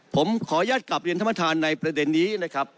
ผมขออนุญาตกลับเรียนท่านประธานในประเด็นนี้นะครับ